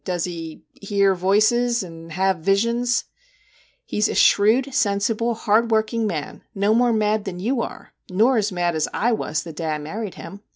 ' Does he " hear voices" and "have visions" ?'* He 's a shrewd, sensible, hard working man no more mad than you are, nor as mad as / was the day I married him.